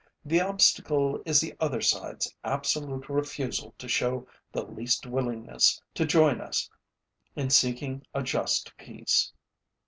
The obstacle is the other sideÆs absolute refusal to show the least willingness to join us in seeking a just peace.